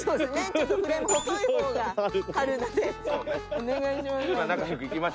お願いします。